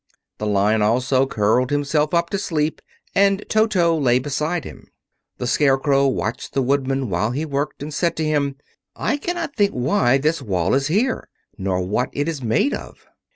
The Lion also curled himself up to sleep and Toto lay beside him. The Scarecrow watched the Woodman while he worked, and said to him: "I cannot think why this wall is here, nor what it is made of."